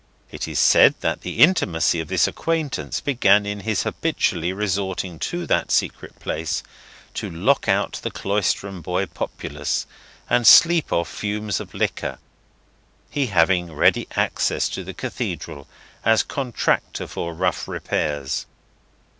It is said that the intimacy of this acquaintance began in his habitually resorting to that secret place, to lock out the Cloisterham boy populace, and sleep off fumes of liquor: he having ready access to the Cathedral, as contractor for rough repairs.